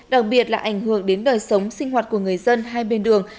đặc biệt là ảnh hưởng đến đời sống sinh hoạt của người dân hai bên đường